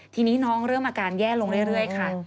ทีนี้น้องเริ่มอาการแย่ลงเรื่อยค่ะ